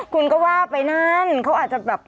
คุณก็ว่าไปนั่นเขาอาจจะแบบ